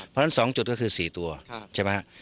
เพราะฉะนั้น๒จุดก็คือ๔ตัวใช่ไหมครับ